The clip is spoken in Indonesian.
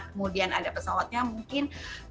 kemudian ada pesawatnya mungkin